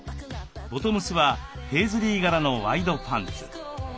ボトムスはペーズリー柄のワイドパンツ。